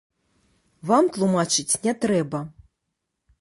Вам тлумачыць не трэба.